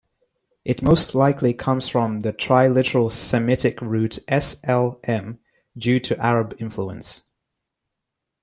It most likely comes from the triliteral Semitic root S-L-M, due to Arab influence.